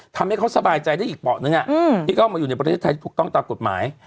ทำให้เขาสบายใจได้อีกเปาะนึงที่เข้ามาอยู่ในประเทศไทยที่ถูกต้องตามกฎหมาย